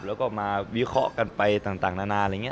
แล้วก็มาวิเคราะห์กันไปต่างนาน